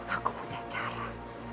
aku punya cara